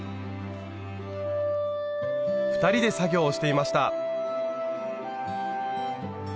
２人で作業をしていました。